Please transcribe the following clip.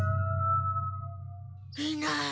いない。